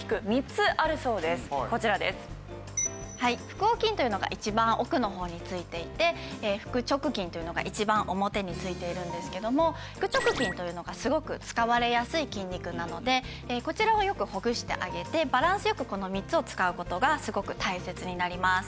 腹横筋というのが一番奥の方についていて腹直筋というのが一番表についているんですけども腹直筋というのがすごく使われやすい筋肉なのでこちらをよくほぐしてあげてバランスよくこの３つを使う事がすごく大切になります。